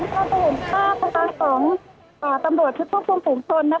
สวัสดีครับบอกว่าตำรวจทุกท่านคุณผู้ชนนะคะ